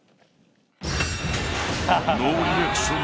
ノーリアクション